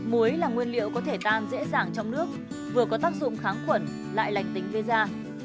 muối là nguyên liệu có thể tan dễ dàng trong nước vừa có tác dụng kháng khuẩn lại lành tính gây ra